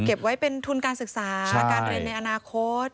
เก็บไว้เป็นทุนการศึกษาการเรียนในอนาคต